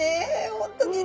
本当に！